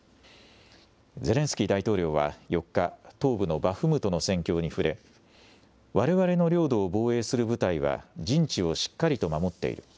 ゼレンスキー大統領は４日、東部のバフムトの戦況に触れ、われわれの領土を防衛する部隊は、陣地をしっかりと守っている。